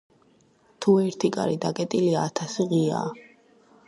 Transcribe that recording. თუ ერთი კარი დაკეტილია, ათასი ღიაა